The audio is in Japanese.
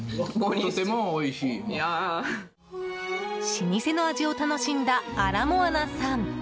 老舗の味を楽しんだアラモアナさん。